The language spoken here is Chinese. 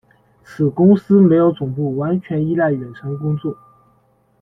此公司没有总部，完全依赖远程工作。